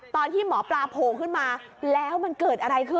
ตอนที่หมอปลาโผล่ขึ้นมาแล้วมันเกิดอะไรขึ้น